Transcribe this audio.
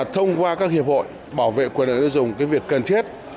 thông qua các hiệp hội bảo vệ quyền lợi dụng việc cần thiết